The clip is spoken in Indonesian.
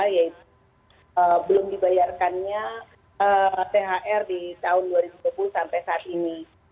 yaitu belum dibayarkannya thr di tahun dua ribu dua puluh sampai saat ini